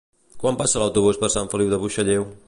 Quan passa l'autobús per Sant Feliu de Buixalleu?